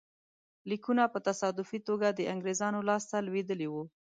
لیکونه په تصادفي توګه د انګرېزانو لاسته لوېدلي وو.